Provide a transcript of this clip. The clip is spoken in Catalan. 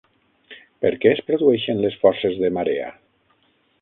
Per què es produeixen les forces de marea?